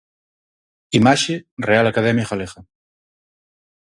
Imaxe: Real Academia Galega.